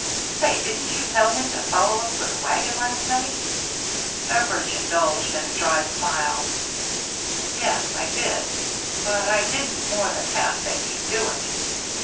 Say, didn't you tell him to follow us with the wagon last night ?" Beveridge indulged in a dry smile. " Yes, I did. But I didn't more than half think he'd do it.